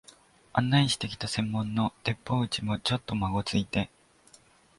案内してきた専門の鉄砲打ちも、ちょっとまごついて、